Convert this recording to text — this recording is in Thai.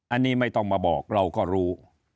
อันนี้ไม่ต้องมาบอกเราก็รู้